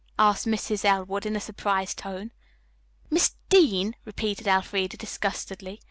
asked Mrs. Elwood in a surprised tone. "Miss Dean," repeated Elfreda disgustedly.